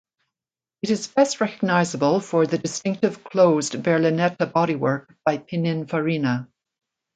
It is best recognisable for the distinctive closed berlinetta bodywork by Pinin Farina.